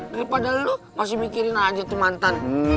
daripada lulu masih mikirin aja tuh mantan